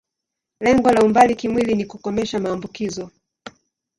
Lengo la umbali kimwili ni kukomesha maambukizo.